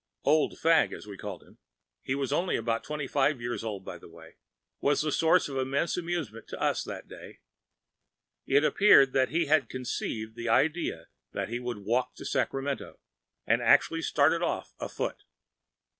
But Old Fagg, as we called him,‚ÄĒhe was only about twenty five years old, by the way,‚ÄĒwas the source of immense amusement to us that day. It appeared that he had conceived the idea that he could walk to Sacramento, and actually started off afoot.